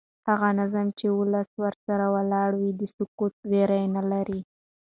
هغه نظام چې ولس ورسره ولاړ وي د سقوط ویره نه لري